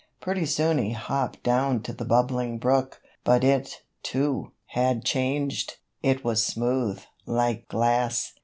Pretty soon he hopped down to the Bubbling Brook, but it, too, had changed. It was smooth, like glass.